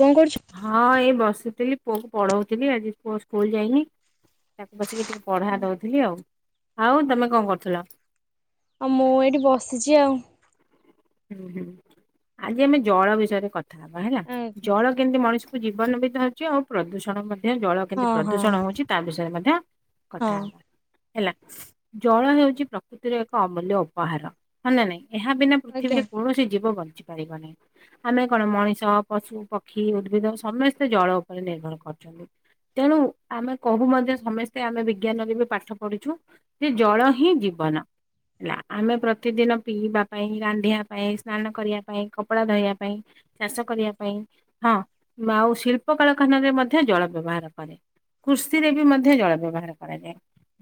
କଣ କରୁଛ? ହଁ ଏଇ ବସିଥିଲି, ପୁଅକୁ ପଢ଼ଉଥିଲି, ଆଜି ପୁଅ ସ୍କୁଲ ଯାଇନି, ତାକୁ ବସିକି ଟି ପଢା ଦଉଥିଲି ଆଉ, ଆଉ ତମେ କଣ କରୁଥିଲ? ଆଉ ମୁଁ ଏଇଠି ବସିଛି ଆଉ। ଆଜି ଆମେ ଜଳ ବିଷୟରେ କଥା ହବା ହେଲା, ଆଜ୍ଞା ଜଳ କେମିତି ମଣିଷ କୁ ଜୀବନବିି ଧରିଚି ଅଉ ଆଉ ପ୍ରଦୂଷଣ ମଧ୍ୟ ଜଳ ହଁ କେମିତି ହଁ ପ୍ରଦୂଷଣ ହଉଚି ତା ବିଷୟରେ ମଧ୍ୟ କଥା ହଁ ହବା। ହେଲା ଜଳ ହେଉଚି ପ୍ରକୃତିର ଏକ ଅମୂଲ୍ୟ ଉପହାର ହଲା ନାଇଁ ଏହା ବିନା ଆଜ୍ଞା। ଥିବୀରେ କୌଣସି ଜୀବ ବଞ୍ଚି ପାରିବ ନେଇ। ଆମେ କଣ ମଣିଷ, ପଶୁ, ପକ୍ଷୀ, ଉଦ୍ଭିଦ ସମେସ୍ତେ ଜଳ ଉପରେ ନିର୍ଭର କରୁଛନ୍ତି। ତେଣୁ ଆମେ କହୁ ମଧ୍ୟ ସମେସ୍ତେ ଆମେ ବିଜ୍ଞାନରେ ବି ପାଠ ପଢ଼ିଛୁ। ତି ଜଳ ହିଁ ଜୀବନ ହେଲା ଆମେ ପ୍ରତିଦିନ ପିଇବା ପାଇଁ ରାନ୍ ଢ଼ିଆ ପାଇଁ ସ୍ନାନ କରିବା ପାଇଁ କପଡ଼ା ଧୋଇବା ପାଇଁ ଚାଷ କରିବା ପାଇଁ ହଁ ମାଉ ଶିଳ୍ପ କଳଖନାରେ ମଧ୍ୟ ଜଳ ବ୍ୟବହାର କରେ। କୃଷ ରେ ବି ମଧ୍ୟ ଜଳ ବ୍ୟବହାର କରାଯାଏ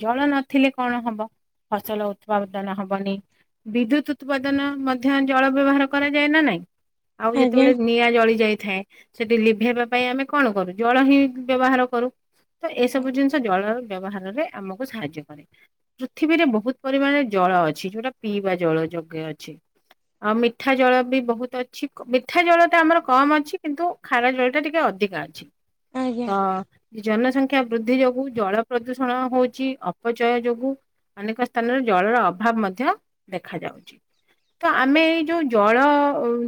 ଜଳ ନଥିଲେ କଣ ହବ ଫସଲ ଉତ୍ପାଦନ ହବନି। ବିଦ୍ୟୁତ ଉତ୍ପାଦନ ମ ଧ୍ୟ ଜଳ ବ୍ୟବହାର କରାଯାଏ ନା ନାଇଁ? ଆଉ ଆଜ୍ଞା ଯେତେବେଳେ ନିଆଁ ଜଳି ଯାଇଥାଏ। ସେଠି ଲିଭେଇବା ପାଇଁ ଆମେ କଣ କରୁ ଜଳ ହିଁ ବ୍ୟବହାର କରୁ। ତ ଏସବୁ ଜିନିଷ ଜଳ ବ୍ୟବହାରରେ ଆମକୁ ସାହାଯ୍ୟ କରେ। ପୃଥିବୀରେ ବହୁତ ପରିମାଣେ ଜଳ ଅଛି ଯୋଉଟା ପିଇବା ଜଳ ଯୋଗେ ଅଛି। ଆଉ ମିଠା ଜଳ ବି ବହୁତ ଅଛି। କ୍ ମିଥା ଜଳ ଟା ଆମର କମ ଅଛି କିନ୍ତୁ ଖାରା ଜଳ ଟା ଟିକେ ଅଧିକା ଛି ଆଜ୍ଞା। ତ ଜନସଂଖ୍ୟା ବୃଦ୍ଧି ଯୋଗୁ ଜଳ ପ୍ରଦୂଷଣ ହଉଚି ଅପଚୟ ଯୋଗୁ ଅନେକ ସ୍ଥାନରେ ଜଳର ଅଭାବ ମଧ୍ୟ ଦେଖାଯାଉଚି। ତ ଆମେ ଏଇ ଯୋଉ ଜଳ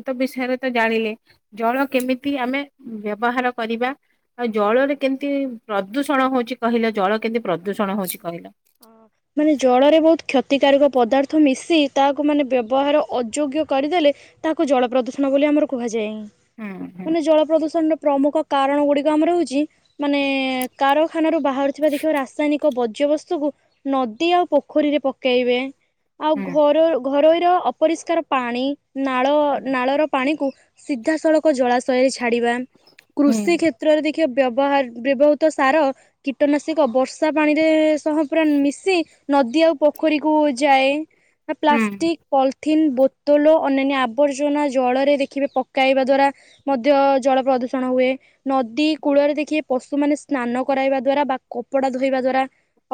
ତ ବିଷୟରେ ତ ଜାଣିଲେ। ଜଳ କେମିତି ଆମେ ବ୍ୟବହାର କରିବା ଆଉ ଜଳରେ କେମିତି ପ୍ରଦୂଷଣ ହଉଚି କହିଲେ ଜଳ କେମିତି ପ୍ରଦୂଷଣ ହଉଚି କହିଲ? ଆଁ ମାନେ ଜଳରେ ବହୁତ କ୍ଷତିକାରକ ପଦାର୍ଥ ମିଶି ତାହାକୁ ମାନେ ବ୍ୟବହାର ଅଯୋଗ୍ୟ କରିଦେଲେ ତାହାକୁ ଜଳ ପ୍ରଦୂଷଣ ବୋଲି ଆମର କୁହାଯାଏ। ହୁଁ ମାନେ ଜଳ ପ୍ରଦୂଷଣର ପ୍ରମୁଖ କାରଣ ଗୁଡିକ ଆମର ହଉଛି ମାନେ କାରଖାନାରୁ ବାହାରୁଥିବା ଦେଖିବ ରାସାୟନିକ ବର୍ଜ୍ୟବସ୍ ସୁବୁ ନଦୀ ଆଉ ପୋଖରୀରେ ପକେଇବେ ଆଉ ହୁଁ ଘର ଘରୋଇ ର ଅପରିଷ୍କାର ପାଣି ନାଳ ହୁଁ। ନାଳ ର ପାଣିକୁ ସିଧାସଳଖ ଜଳାଶୟ ଛାଡିବା ହଁ। କୃଷି କ୍ଷେ ତ୍ରରେ ଦେଖିବ ବ୍ୟବହାର ବ୍ୟବହୃତ ସାର କୀଟନାସିକ ବର୍ଷା ପାଣିରେ ତୋହୁ ପୁରା ମିଶି ନଦୀ ଆଉ ପୋଖରୀକୁ ଯାଏ ଆ ପ୍ଲାଷ୍ଟିକ ପଲ୍ ଠିନ୍ ବୋତଲ ଅନ୍ୟାନ୍ୟ ଆବର୍ଜନା ଜଳରେ ଦେଖିବେ ପକାଇବା ଦ୍ଵାରା ମଧ୍ୟ ଜଳ ପ୍ରଦୂଷଣ ହୁଏ। ନଦୀ କୂଳରେ ଦେଖିବେ ପଶୁମାନେ ସ୍ନାନ କରାଇବା ଦ୍ଵାରା ବା କପଡା ଧୋଇବା ଦ୍ଵାରା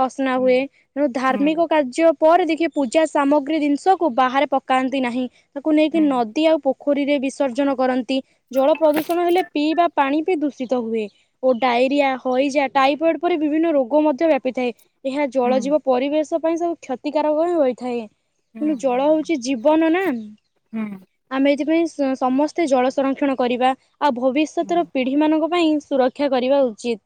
ଅସ୍ନା ହୁଏ ରୁ ଧାର୍ମିକ କାର୍ଯ୍ୟ ପରେ ଦେଖି ପୂଜା ସାମଗ୍ରୀ ଜିନିଷକୁ ବାହାରେ ପକାନ୍ତି ନାହିଁ ତାକୁ ନେଇକି ନଦୀ ଆଉ ପୋଖ ଖୋରୀରେ ବିସର୍ଜନ କରନ୍ତି ଜଳ ପ୍ରଦୂଷଣ ହେଲେ ପିଇ ବା ପାଣି ବି ଦୂଷିତ ହୁଏ। ଓ ଡାଇରିଆ, ହଇଜା, ଟାଇଫଏଡ, ପରି ବିଭିନ୍ନ ରୋଗ ମଧ୍ୟ ବ୍ୟାପିଥାଏ। ଏହା ଜଳ ଜୀବ ପରିବେଶ ପାଇଁ ସବୁ କ୍ଷତିକାରକଁ ହୋଇଥାଏ। କିନ୍ତୁ ଜଳ ହଉ ଚି ଜୀବନ ନା ଆମେ ଏଇଥିପାଇଁ ସ ସମସ୍ତେ ଜଳ ସଂରକ୍ଷଣ କରିବା ଆଉ ଭବିଷ୍ୟତର ପୀ ଢୀ ମଙ୍କ ପାଇଁ ସୁରକ୍ଷା କରିବା ଉଚିତ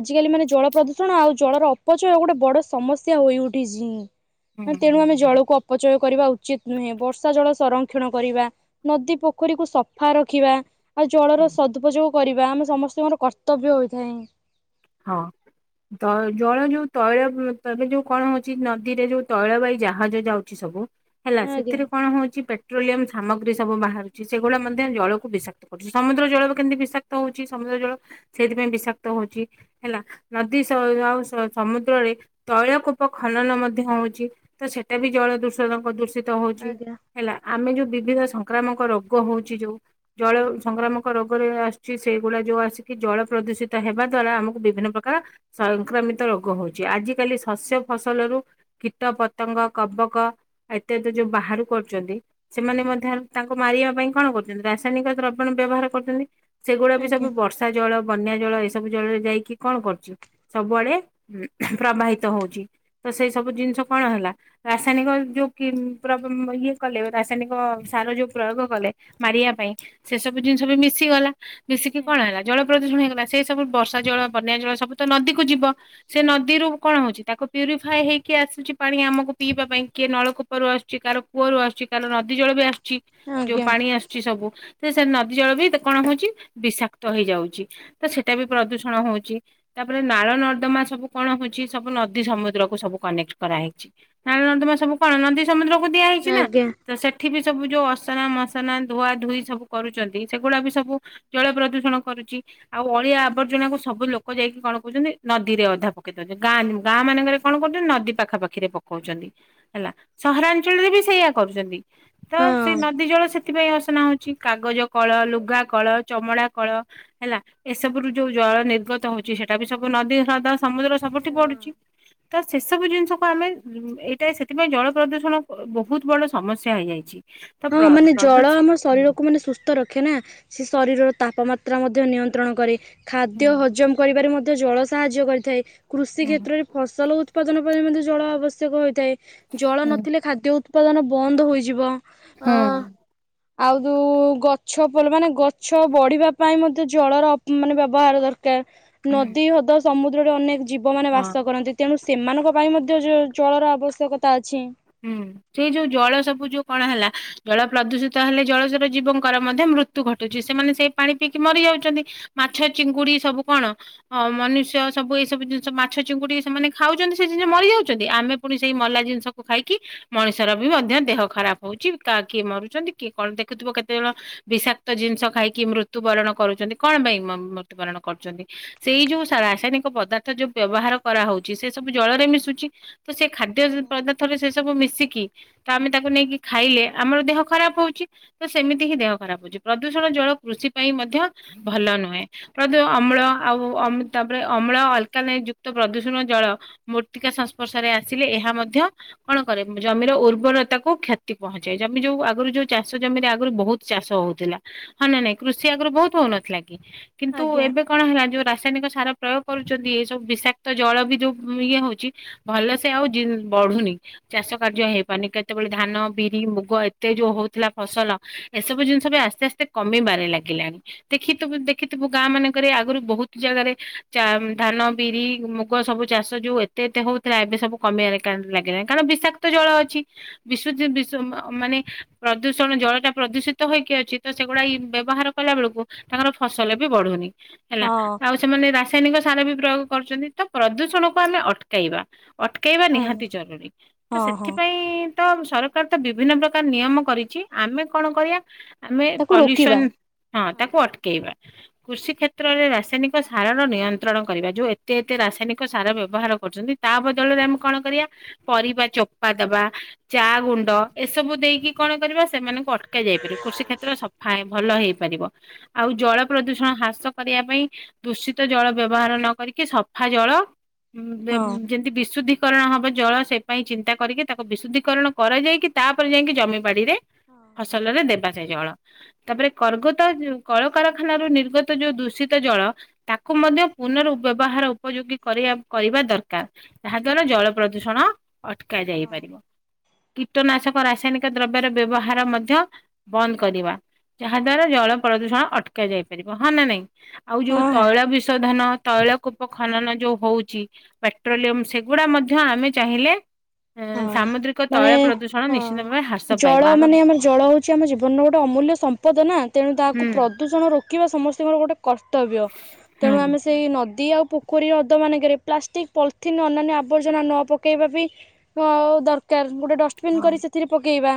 ଆଜିକାଲି ମାନେ ଜଳ ପ୍ରଦୂଷଣ ଆଉ ଜଳର ଅ ପଚୟ ଗୋଟେ ବଡ ସମସ୍ୟା ହୋଇ ଉଠିଜି ତେଣୁ ଆ ଆମେ ଜଳକୁ ଅପ ପଚୟ କରିବା ଉଚିତ୍ ନୁହେଁ ବର୍ଷା ଜଳ ସଂରକ୍ଷଣ କରିବା। ନଦୀ ପୋଖରୀକୁ ସଫା ରଖିବା। ଆଉ ଜଳର ସଦଉଯୋଗ କରିବା ଆମେ ସମସ୍ତଙ୍କର କର୍ତ୍ତବ୍ୟ ହୋଇଥାଏ। ହଁ। ତ ଜଳ ଯୋଉ ତୈଳ ବୁ ତେବେ ଯୋଉ କଣ ହଉଚି ନଦୀରେ ଯୋଉ ତୈଳ ବାଇ ଜାହାଜ ଯାଉଚି ସବୁ ହେଲା ଆଜ୍ଞା ସେଥିରେ କଣ ହଉଛି ପେ ଟ୍ରୋଲିୟମ ସାମଗ୍ରୀ ସବୁ ବାହାରୁଛି ସେଗୁଡ଼ା ମଧ୍ୟ ଜଳକୁ ବିଷାକ୍ତ କରୁଛି ସମୁଦ୍ର ଜଳ କୁ କେମିତି ବିଷା ତ ହଉଛି ସମୁଦ୍ର ଜଳ ସେଇଥିପାଇଁ ବିଷାକ୍ତ ହଉଛି। ହେଲା ନଦୀ ସ ଆଉ ସ-ସମୁଦ୍ରରେ ତୈଳ କୂପ ଖନନ ମଧ୍ୟ ହଉଛି। ତ ସେଟା ବି ଜଳ ଦୂଷଣ କ ଦୂଷିତ ହଉଛି। ଆଜ୍ଞା ହେଲା ଆମେ ଯୋଉ ବିବିଧ ସଂକ୍ରାମକ ରୋଗ ହଉଛି ଯୋଉ। ଜଳ ସଂକ୍ରାମକ ରୋଗରେ ଆସୁଛି ସେଇଗୁଡା ଯୋଉ ଆସିକି ଜଳ ପ୍ରଦୂଷିତ ହେବା ଦ୍ଵାରା ଆମ ବିଭିନ୍ନ ପ୍ରକାର ସଂକ୍ରମିତ ରୋଗ ହଉଛି ଆଜି କାଲି ଶସ୍ୟ ଫସଲରୁ। କୀଟ, ପତଙ୍ଗ, କବକ ଇତ୍ୟାଦି ଯୋଉ ବାହାରୁ କରୁଛନ୍ତି। ସେମାନେ ମଧ୍ୟ ତାଙ୍କୁ ମାରିବା ପାଇଁ କଣ କରୁଛନ୍ତି ରାସାୟନିକ ଦ୍ରବଣ ବ୍ୟବହାର କରୁଛନ୍ତି। ସେଗୁଡା ବି ସବୁ ଆଜ୍ଞା ବର୍ଷା ଜଳ, ବନ୍ୟା ଜଳ ଏ ସବୁ ଜଳରେ ଯାଇକି କଣ କରୁଚି। ସବୁଆଡେ ଉଁ ପ୍ରବାହିତ ହଉଛି। ତ ସେଇ ସବୁ ଜିନିଷ କଣ ହେଲା? ରାସାୟନିକ ଯୋଉ କିମ୍ ପ୍ର ବ ମ ଇଏ କଲେ ରାସାୟନିକ ସାର ଯୋଉ ପ୍ରୟୋଗ କଲେ। ମାରିବା ପାଇଁ ସେ ସବୁ ଜିନିଷ ବି ମିଶି ଗଲା। ମିଶିକି କଣ ଆଜ୍ଞା ହେଲା ଜଳ ପ୍ରଦୂଷଣ ହେଇଗଲା ସେଇ ସବୁ ବର୍ଷା ଜଳ, ବନ୍ୟା ଜଳ ସବୁ ତ ନଦୀକୁ ଯିବ। ସେ ନଦୀରୁ କଣ ହଉଛି ତାକୁ ପ୍ୟୁରିଫାଏ ହେଇକି ଆସୁଛି ପାଣି ଆମକୁ ପିଇବା ପାଇଁ କିଏ ନଳକୁ କୂପରୁ ଆସୁଛି କାହାର କୂଅରୁ ଆସୁଛି କାହାର ନଦୀ ଜଳ ବି ଆସୁଛି ଯୋଉ ଆଜ୍ଞା। ପାଣି ଆସୁ ଚି ସବୁ ତ ସେ ନଦୀ ଜଳ ବି ତ କଣ ହଉଛି ବିଷାକ୍ତ ହେଇଯାଉଛି। ତ ସେଟା ବି ପ୍ରଦୂଷଣ ହଉ ଚି ତାପରେ ନାଳ ନର୍ଦ୍ଦମା ସବୁ କଣ ହଉଛି ସବୁ ନଦୀ, ସମୁଦ୍ର କୁ ସବୁ କନେକ୍ଟ କରାହେଇଛି। ନାଳ ନର୍ଦ୍ଦମା ସବୁ କଣ ନଦୀ, ସମୁଦ୍ରକୁ ଦିଆ ହେଇଛି ନା ତ ସେ ଠି ବି ସବୁ ଯୋଉ ଅସନା ମସନା ଧୁଆ ଧୁଇ ସବୁ କରୁଛନ୍ତି ସେଗୁଡା ବି ସବୁ। ଜଳ ପ୍ରଦୂଷଣ କରୁଛି ଆଉ ଅଳିଆ ଆବର୍ଜନା କୁ ସବୁ ଲୋ ଲୋକ ଯାଇକି କଣ କରୁଛନ୍ତି ନଦୀରେ ଅଧା ପକେଇ ଦଉଛନ୍ତି। ଗାଁ ନିମ୍ ଗାଁ ମାନେଙ୍କେରେ କଣ କରୁଛନ୍ତି, ନଦୀ ପାଖା ପାଖିରେ ପକଉଛନ୍ତି। ହେଲା ସହରାଞ୍ଚଳରେ ବି ସେଇଆ କରୁଛନ୍ତି ତ ଆଜ୍ଞା ସେ ନଦୀ ଜଳ ସେ ସେଥିପାଇଁ ଅସନା ହଉଛି କାଗଜ କଳ, ଲୁଗା କଳ, ଚମଡା କଳ। ହେଲା। ଏସବୁ ରୁ ଯୋଉ ଜଳ ନିର୍ଗତ ହଉଛି ସେଟା ବି ସବୁ ନଦୀ, ହ୍ରଦ, ସମୁଦ୍ର ସବୁଠି ହଁ। ପଡୁଛି। ତ ସେସବୁ ଜିନିଷକୁ ଆମେ ଉଁ ଏଇଟା ସେଥିପାଇଁ ଜଳ ପ୍ରଦୂଷଣ ଅ ବହୁତ ବଡ ସମସ୍ୟା ହେଇଯାଇଛି। ତ ହଁ ପ୍ର ମାନେ ଜଳ ପ୍ରଦୂଷ ଆମ ହୁଁ ଶରୀରକୁ ମାନେ ସୁସ ତ ରଖେ ନା ସେ ଶରୀରର ତାପମାତ୍ରା ମଧ୍ୟ ନିୟନ୍ତ୍ରଣ କରେ। ଖାଦ୍ୟ ହୁଁ ହଜମ କରିବାରେ ମଧ୍ୟ ଜଳ ସାହାଯ୍ୟ କରିଥାଏ। କୃଷି ହୁଁ। କ୍ଷେତ୍ରରେ ଫସଲ ଉତ୍ ଉତ୍ପାଦନ ପାଇଁ ମଧ୍ୟ ଜଳ ଆବଶ୍ୟକ ହୋଇଥାଏ। ଜଳ ହୁଁ ନଥିଲେ ଖାଦ୍ୟ ଉତ୍ପାଦନ ବନ୍ଦ ହୋଇଯିବ। ଅ ହୁଁ। ଆଉ ଯୋଉ ଗଛ ଭଲ ମାନେ ଗଛ ବଢିବା ପାଇଁ ମ ତ ଜଳର ଅ ମାନେ ବ୍ୟବହାର ଦରକାର ହୁଁ ନଦୀ, ହ୍ରଦ, ସମୁଦ୍ରରେ ଅନେକ ଜୀବମାନେ ହଁ ବାସ କରନ୍ତି ତେଣୁ ସେମାନଙ୍କ ପାଇଁ ମଧ୍ୟ ଜ-ଜଳର ଆବଶ୍ୟକତା ଅଛି। ହୁଁ। ସେଇ ଯୋଉ ଜଳ ସବୁ ଯୋଉ କଣ ହେଲା? ଜଳ ପ୍ରଦୂଷିତ ହେଲେ ଜଳଚର ଜୀବଙ୍କର ମଧ୍ୟ ମୃତ୍ୟୁ ଘଟୁଛି। ସେମାନେ ସେଇ ପାଣି ପିଇକି ମରିଯାଉଛନ୍ତି। ମାଛ, ଚିଙ୍ଗୁଡି ସବୁ କଣ? ହଁ ମନୁଷ୍ୟ ସବୁ ଏଇ ସବୁ ଜିନିଷ ମାଛ, ଚିଙ୍ଗୁଡି ସେମାନେ ଖାଉଛନ୍ତି ସେ ଜିନିଷ ମରିଯାଉଛନ୍ତି ଆମେ ପୁଣି ସେଇ ମଲା ଜିନିଷ। କୁ ଖାଇକି ମଣିଷର ବି ମଧ୍ୟ ଦେହ ଖରାପ ହଉଛି। କା କିଏ ମରୁଛନ୍ତି କିଏ କଣ ଦେଖୁଥିବ କେତେଜଣ? ବିଷାକ୍ତ ଜିନିଷ ଖାଇକି ମୃତ୍ୟୁ ବରଣ କରୁଛନ୍ତି। କଣ ପାଇଁ ମ-ମୃତ୍ୟୁବରଣ କରୁଛନ୍ତି? ସେଇ ଯୋଉ ସା ରାସାୟନିକ ପଦାର୍ଥ ଯୋଉ ବ୍ୟବହାର କରାହଉଛି ସେ ସବୁ ଜଳରେ ମିଶୁଛି। ତ ସେ ଖାଦ୍ୟ ଯ ଆଜ୍ଞା ପଦା ସବୁ ମିଶିକି ତ ଆମେ ତାକୁ ନେଇକି ଖାଇଲେ ଆମର ଦେହ ଖରାପ ହଉଛି। ତ ସେମିତି ହିଁ ଦେହ ଖରାପ ହଉଛି ପ୍ରଦୂଷଣ ଜଳ କୃଷି ପାଇଁ ମଧ୍ୟ ଭଲ ନୁହେଁ। ପ୍ରଦ ଅମ୍ଳ ଆଉ ଅମ ତାପରେ ଅମ୍ଳ ଅଲକା ନେଇ ଯୁକ୍ତ ପ୍ରଦୂଷଣ ଜଳ। ମୂର୍ତ୍ତିକା ସଂସ୍ପର୍ଶରେ ଆସିଲେ ଏହା ମଧ୍ୟ। କଣ କରେ ଉଁ ଜମିର ଉର୍ବରତା କୁ କ୍ଷତି ପହଞ୍ଚାଏ। ଜମି ଯୋଉ ଆଗରୁ ଯୋଉ ଚାଷ ଜମିରେ ଆଗରୁ ବହୁ। ଚାଷ ହଉଥିଲା ହଁ ନା ନାଇଁ? କୃଷି ଆଗରୁ ବହୁତ ହଉନଥିଲା କି କିନ୍ତୁ ଆଜ୍ଞା ଏବେ। କଣ ହେଲା ଯୋଉ ରାସାୟନିକ ସାର ପ୍ରୟୋଗ କରୁଛନ୍ତି ଏ ସବୁ ବିଷାକ୍ତ ଜଳ ବି ଯୋଉ ଇଏ ହଉଛି ଭଲ ସେ ଆଉ ଜିନ ବଢୁନି। ଚାଷ କାର୍ଯ୍ୟ ହେଇପାରୁନି। କେତେବେଳେ ଧାନ, ବିରି, ମୁଗ ଏତେ ଯୋଉ ହଉଥିଲା ଫସଲ ଏସବୁ ଜିନିଷ ବି ଆସ୍ତେ ଆସ୍ତେ କମିବାରେ ଲାଗିଲାଣି। ଦେଖିଥିବୁ ଦେଖିଥିବୁ ଗାଁ ମାନଙ୍କରେ ଆଗରୁ ବହୁତ ଜାଗାରେ ଚା, ଧାନ, ବିରି, ମୁଗ୍ ଗ ସବୁ ଚାଷ ଯୋଉ ଏତେ ଏତେ ହଉଥାଏ ଏବେ ସବୁ କମିଆକୁ ଲାଗିଲାଇଁ କାରଣ ବିଷାକ୍ତ ଜଳ ଅଛି। ବିଶୁଦ୍ ବିଶ ମାନେ ପ୍ରଦୂଷଣ ଜଳ ଟା ପ୍ରଦୂଷିତ ହେଇକି ଅଛି ତ ସେଗୁଡା ବ୍ୟବହାର କଲା ବେଳକୁ ତାଙ୍କର ଫସଲ ବି ବଢୁନି। ହେଲା। ହଁ ଆଉ ସେମାନେ ରାସାୟନିକ ସାର ବି ପ୍ରୟୋଗ କରୁଛନ୍ତି ତ ପ୍ରଦୂଷଣକୁ ଆମେ ଅଟ କେଇବା ଅଟକେଇବା ଆଜ୍ଞା। ନିହାତି ଜରୁରୀ। ହଁ ତ ହଁ। ସେଥିପାଇଁ ତ ସରକାର ତ ବିଭିନ୍ନ ପ୍ରକାର ନିୟମ କରିଛି। ଆମେ କଣ କରି ଆ ଆମେ ତାକୁ ରୋକିବା। ପଲ୍ୟୁସନ ହଁ ତାକୁ ଅଟକେଇବା। କୃଷି କ୍ଷେତ୍ରରେ ରାସାୟନିକ ସାରର ନିୟନ୍ତ୍ରଣ କରିବା, ଯେଉଁ ଏତେ ଏତେ ରାସାୟନିକ ସାର ବ୍ୟବହାର କରୁଛନ୍ତି। ତାବଦଳରେ ଆମେ କଣ କରିଆ? ପରିବା ଚୋପା ଦବା, ଚା ଗୁଣ୍ଡ ଏସବୁ ଦେଇକି କଣ କରିବା ସେମାନଙ୍କୁ ଅଟ ରୋକା ଯାଇପାରିବ କୃଷି କ୍ଷେତ୍ର ସଫା ଭଲ ହେଇପାରିବ। ଆଉ ଜଳ ପ୍ରଦୂଷଣ ହ୍ରାସ କରିବା ପାଇଁ ଦୂଷିତ ଜଳ ବ୍ୟବହାର ନ କରିକି ସଫା ଜଳ ଉଁ ବେ ଯେ ହଁ। ଯେମିତି ବିଶୁଦ୍ଧିକରଣ ହବ ଜଳ ସେ ପାଇଁ ଚିନ୍ତା କରିକି ତାକୁ ବିଶୁଦ୍ଧିକରଣ କରାଯାଇକି ତାପରେ ଯାଇକି ଜମି ବାଡିରେ ଫସଲରେ ଦେବା ଯାଏ ଜଳ। ତାପରେ କର୍ଗତ କଳକାରଖାନାରୁ ନିର୍ଗତ ଯୋଉ ଦୂଷିତ ଜଳ ତାକୁ ମଧ୍ୟ ପୁନରୁ ବ୍ୟବହାର ଉପଯୋଗୀ କରିଆ କରିବା ଦରକାର। ଯାହା ଦ୍ଵାରା ଜଳ ପ୍ରଦୂଷଣ ଅଟକା ଯାଇପାରିବ। କୀଟନାଶକ ରାସାୟନିକ ଦ୍ରବ୍ୟର ବ୍ୟବହାର ମଧ୍ୟ ବନ୍ଦ କରିବା ଯାହା ଦ୍ଵାରା ଜଳ ପ୍ରଦୂଷଣ ଅଟକା ଯାଇ ପାରିବ, ହଁ ନା ନାଇଁ? ଆଉ ଯୋଉ ହଁ ତୈଳ ବିଶୋଧନ ତୈଳ କୂପ ଖନନ ଯେଉଁ ହଉଛି ପେଟ୍ରୋଲିୟମ ସେଗୁଡ଼ା ମଧ୍ୟ ଆମେ ଚାହିଁଲେ ହଁ ଏଁ ସାମୁଦ୍ରିକ ମାନେ ତୈଳ ପ୍ରଦୂଷଣ ହଁ। ନିଶ୍ଚିତ ଭାବେ ହ୍ରାସ ପାଇବ ଜଳ ଆମେ ମାନେ ଆମର ଜଳ ହଉଛି ଆମ ଜୀବନର ଗୋଟେ ଅମୂଲ୍ୟ ସମ୍ପଦ ନା ତେଣୁ ତାହାକୁ ହୁଁ ପ୍ରଦୂଷଣ ରୋକିବା ସମସ୍ତଙ୍କର ଗୋଟେ କର୍ତ୍ତବ୍ୟ। ତେଣୁ ହୁଁ ଆମେ ସେଇ ନଦୀ ଆଉ ପୋଖରୀ ହ୍ରଦ ମାନଙ୍କରେ ପ୍ଲାଷ୍ଟିକ ପଲିଥିନ୍ ଅନ୍ୟାନ୍ୟ ଆବର୍ଜନା ନ ପକେଇବା ବି ଅ ଦରକାର, ଗୋଟେ ଡଷ୍ଟବିନ ହଁ କରି ସେଥିରେ ପକେଇବା।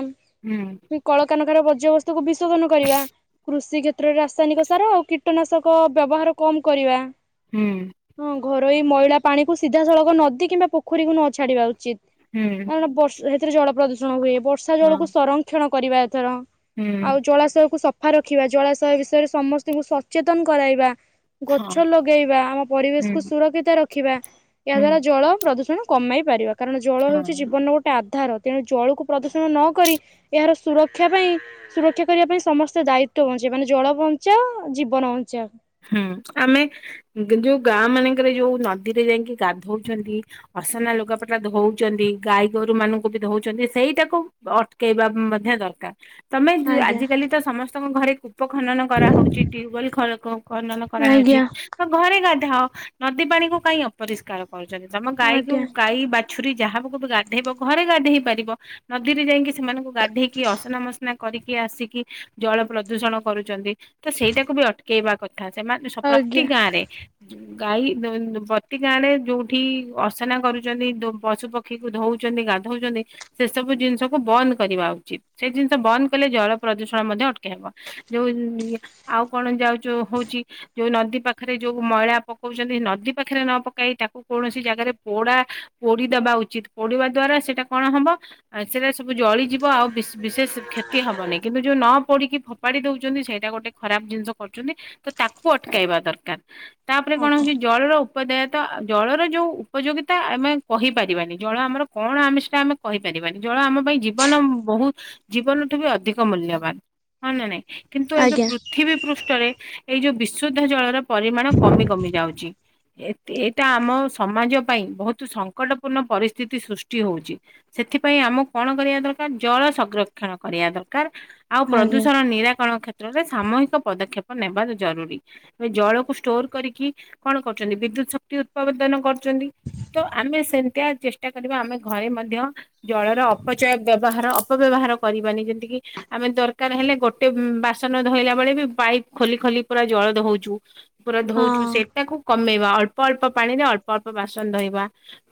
ହୁଁ କଳକାରଖାନା ବର୍ଜ୍ୟାବସ୍ତୁକୁ ବିଶୋଧନ କରିବା। କୃଷି କ୍ଷେତ୍ରରେ ରାସାୟନିକ ସାର ଆଉ କୀଟନାଶକ ବ୍ୟବହାର କମ କରିବା। ହୁଁ। ହଁ ଘରୋଇ ମଇଳା ପାଣିକୁ ସିଧାସଳଖ ନଦୀ କିମ୍ବା ପୋଖରୀକୁ ନ ଛାଡିବା ଉଚିତ। ହୁଁ। କାରଣ ବଷ ହେଥିରେ ଜଳ ପ୍ରଦୂଷଣ ହୁଏ, ବର୍ଷା ଜଳକୁ ହଁ ସଂରକ୍ଷଣ କରିବା ଏଥର। ହୁଁ ଆଉ ଜଳାଶୟକୁ ସଫା ରଖିବା, ଜଳାଶୟ ବିଷୟରେ ସମସ୍ତଙ୍କୁ ସଚେତନ କରାଇବା। ହଁ ଗଛ ଲଗେଇବା ଆମ ପରିବେଶକୁୁ ହୁଁ ସୁରକ୍ଷିତ ରଖିବା। ଏହା ହୁଁ ଦ୍ଵାରା ଜଳ ପ୍ରଦୂଷଣ କମାଇ ପାରିବା। କାରଣ ଜଳ ହେଉ ହଁ ନଉଟା ଆଧାର। ତେଣୁ ଜଳକୁ ପ୍ରଦୂଷଣ ନ କରି ଏହାର ସୁରକ୍ଷା ପାଇଁ ସୁରକ୍ଷା କରିବା ପାଇଁ ସମସ୍ତେ ଦାୟିତ୍ୱ ବଞ୍ଚେଇ ମାନେ ଜଳ ବଞ୍ଚାଅ ଜୀବନ ବଞ୍ଚାଅ। ହୁଁ ଆମେ ଯୋଉ ଗାଁ ମାନଙ୍କରେ ଯୋଉ ନଦୀରେ ଯାଇକି ଗାଧଉଛନ୍ତି। ଅସନା ଲୁଗାପଟା ଧଉଛନ୍ତି, ଗାଈ ଗୋରୁ ମାନଙ୍କୁ ବି ଧଉଛନ୍ତି। ସେଇଟାକୁ ଅ ଟେକେଇବା ମଧ୍ୟ ଦରକାର। ତମେ ଆଜ୍ଞା ଆଜିକାଲି ତ ସମସ୍ତଙ୍କ ଘରେ କୂପ ଖନନ କରାହଉଛି, ଟ୍ୟୁବଲ ଖଳକ ଖନନ କରାହେଉଛି ଆଜ୍ଞା ତ ଘରେ ଗାଧାଅ। ନଦୀ ପାଣି କ କାଇଁ ଅପରିଷ୍କାର କରୁଛନ୍ତି। ତମ ଗାଈକୁ ଆଜ୍ଞା ଗାଈ ବାଛୁରୀ ଯାହାବକୁ ବି ଗାଧେଇବ ଘରେ ଗାଧେଇ ପାରିବ। ନଦୀରେ ଯାଇକି ସେମାନଙ୍କୁ ଗାଧେଇକି ଅସନା ମସନା କରିକି ଆସିକି ଜଳ ପ୍ରଦୂଷଣ କରୁଛନ୍ତି। ତ ସେଇଟାକୁ ବି ଅଟକେଇବା କଥା। ସେମାନେ ପ୍ରତି ଆଜ୍ଞା। ଗାଁରେ ଗାଈ ବତି ଗାଁରେ ଯୋଉଠି ଅର୍ସନା କରୁଛନ୍ତି ପଶୁ ପକ୍ଷୀ ପକ୍ଷୀକୁଧଉଛନ୍ତି ଗାଧଉଛନ୍ତି। ସେ ସବୁ ଜିନିଷକୁ ବନ୍ଦ କରିବା ଉଚିତ ସେ ଜିନିଷ ବନ୍ଦ କଲେ ଜଳ ପ୍ରଦୂଷଣ ମଧ୍ୟ ଅଟକେଇହବ। ଯୋଉ ଆଉ କଣ ଯାଉଛ ହଉଛି? ଯୋଉ ନଦୀ ପାଖରେ ଯୋଉ ମଇଳା ପକଉଛନ୍ତି? ନଦୀ ପାଖରେ ନ ପକାଇ ତାକୁ କୌଣସି ଜାଗାରେ ପୋଡା ପୋଡିଦବା ଉଚିତ। ପୋଡିବା ଦ୍ଵାରା ସେଇଟା କଣ ହବ? ଆ ସେଇଟା ସବୁ ଜଳିଯିବ ଆଉ ବିଶେଷ କ୍ଷତି ହବନି। କିନ୍ତୁ ଯୋଉ ନ ପୋଡିକି ଫୋପାଡି ଦଉଛନ୍ତି ସେଇଟା ଗୋଟେ ଖରାପ ଜିନିଷ କରୁଛନ୍ତି, ଦରକାର ତାପରେ କଣ ଆଜ୍ଞା ହଉଛି ଜଳର ଉପଦେୟତା ଜଳର ଯେଉଁ ଉପଯୋଗିତା ଆମେ କହିପାରିବାନି? ଜଳ ଆମର କଣ ଆମେ ସେଟା ଆମେ କହିପାରିବାନି। ଜଳ ଆମ ପାଇଁ ଜୀବନ ବହୁତ ଜୀବନଠୁ ବି ଅଧିକ ମୂଲ୍ୟବାନ। ହ ନା ନାଇଁ? କିନ୍ତୁ ଏବେ ଆଜ୍ଞା ପୃଥିବୀ ପୃଷ୍ଠରେ ଏଇ ଯୋଉ ବିଶୁଦ୍ଧ ଜଳର ପରିମାଣ କମି କମି ଯାଉଛି। ଏ ଏଇଟା ଆମ ସମାଜ ପାଇଁ ବହୁତ ସଙ୍କଟପୂର୍ଣ୍ଣ ପରିସ୍ଥିତି ସୃଷ୍ଟି ହଉଛି। ସେଥିପାଇଁ ଆମକୁ କଣ କରିବା ଦରକାର ଜଳ ସଂରକ୍ଷଣ କରିବା ଦରକାର। ଆଉ ଆଜ୍ଞା ପ୍ରଦୂଷଣ ନିରାକରଣ କ୍ଷେତ୍ରରେ ସାମୁହିକ ପଦକ୍ଷେପ ନେବା ଜରୁରୀ। ଏ ଜଳକୁ ଷ୍ଟୋର କରିକି କଣ କରୁଛନ୍ତି? ବିଦ୍ୟୁତ ଶକ୍ତି ଉତ୍ପାଦନ କରୁଛନ୍ତି। ତ ଆମେ ସେମିତିଆ ଚେଷ୍ଟା କରିବା ଆମେ ଘରେ ମଧ୍ୟ ଜଳର ଅପଚୟ ବ୍ୟବହାର ଅପବ୍ୟବହାର କରିବାନି ଯେତିକି ଆମେ ଦରକାର ହେଲେ ଗୋଟେ ବାସନ ଧୋଇଲା ବେଳେ ବି ପାଇପ୍ ଖୋଲି ଖୋଲି ପୁରା ଜଳ ଦଉଛୁ ପୁରା ହଁ ଧଉଛୁ ସେଟାକୁ କମେଇବା ଅଳ୍ପ ଅଳ୍ପ ଅଳ୍ପ ପାଣିରେ ଅଳ୍ପ ଅଳ୍ପ ବାସନ ଧୋଇବା।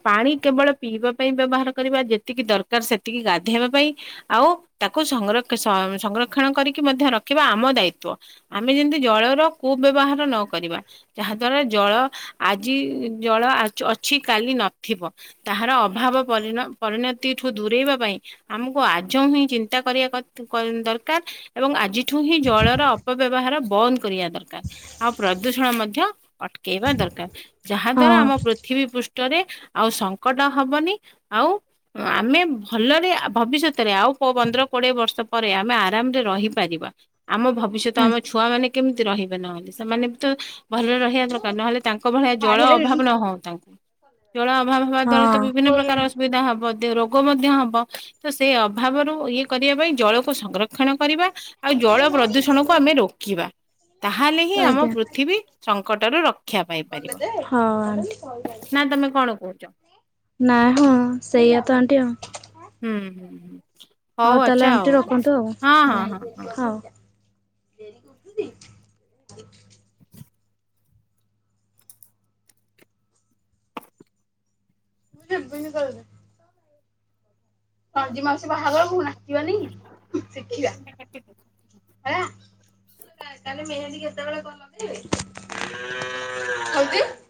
ପାଣି କେବଳ ପିଇବା ପାଇଁ ବ୍ୟବହାର କରିବା। ଯେତିକି ଦରକାର ସେତିକି ଗାଧେଇବା ପାଇଁ ଆଉ, ତାକୁ ସଂର ସଂରକ୍ଷଣ କରିକି ମଧ୍ୟ ରଖିବା ଆମ ଦାୟିତ୍ବ। ଆମେ ଯେମିତି ଜଳର କୁ ବ୍ୟବହାର ନ କରିବା। ଯାହା ଦ୍ଵାରା ଜଳ ଆଜି ଜଳ ଅଛି କାଲି ନଥିବ। ତାହାର ଅଭାବ ପରି, ପରିଣତି ଠୁ ଦୂରେଇବା ପାଇଁ। ଆମକୁ ଆଜ ହିଁ ଚିନ୍ତା କରିବା କଥା। ଦରକାର। ଏବଂ ଆଜିଠୁ ହିଁ ଜଳର ଅପବ୍ୟବହାର ବନ୍ଦ କରିବା ଦରକାର। ଆଉ ପ୍ରଦୂଷଣ ମଧ୍ୟ ଅଟକେଇବା ଦରକାର। ଯାହା ଦ୍ଵାରା ଆମ ହଁ ପୃଥିବୀ ପୃଷ୍ଠରେ ଆଉ ସଙ୍କଟ ହବନି ଆଉ ଆମେ ଭଲରେ ଭବିଷ୍ୟତରେ ଆଉ ପନ୍ଦର କୋଡିଏ ବର୍ଷ ପରେ ଆମେ ଆରାମରେ ରହିପାରିବା। ଆମ ଭବିଷ୍ୟତ ଆମ ଛୁଆ ମାନେ କେମିତି ରହିବେ ନହଲେ ସେମାନେ ବି ତ ଭଲରେ ରହିବା ଦରକାର, ନହେଲେ ତାଙ୍କ ଭଳିଆ ଜଳ ଅଭାବ ନ ହଉ ତାଙ୍କୁ ଜଳ ଅଭାବ ହବା ଦ୍ଵାରା ତ ହଁ ବିଭିନ୍ନ ପ୍ରକାର ସୁବିଧା ହବ ରୋଗ ମଧ୍ୟ ହବ ତ ସେ ଅଭାବରୁ ଇଏ କରିବା ପାଇଁ ଜଳକୁ ସଂରକ୍ଷ ରକ୍ଷଣ କରିବା ଆଉ ଜଳ ପ୍ରଦୂଷଣକୁ ଆମେ ରୋକିବା। ତାହେଲେ ହିଁ ଆମ ଆଜ୍ଞା ପୃଥିବୀ ସଙ୍କଟରୁ ରକ୍ଷା ପାଇପାରିବ। ହଁ ଆଣ୍ଟି ନା ତମେ କଣ କହୁଛ? ନାଇଁ ହଁ ସେଇଆତ ଆଣ୍ଟି ଆ ହୁଁ ହୁଁ ହ ହଉ ତାହେଲେ ଆଚଛା ଆଣ୍ଟି ହଉ ରଖନ୍ତୁ ଆଉ ହଁ ହଁ ହଉ ହଁ ହଁ ହଉ। [unintelligible] ରଞ୍ଜି ମାଉସୀ ବାହାଘର ନାଚିବାନି ଶିଖେଇବା। ହଁ। [unintelligible] ଲେ ମେହେନ୍ଦୀ କେତେବେଳେ ଗଲ